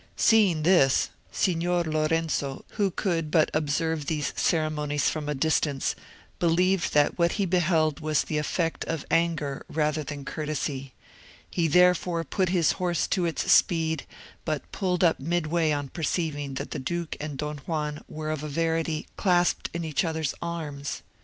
Seeing this, Signor Lorenzo, who could but observe these ceremonies from a distance, believed that what he beheld was the effect of anger rather than courtesy; he therefore put his horse to its speed, but pulled up midway on perceiving that the duke and Don Juan were of a verity clasped in each other's arms.